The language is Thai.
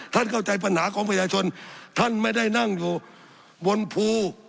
เข้าใจปัญหาของประชาชนท่านไม่ได้นั่งอยู่บนภู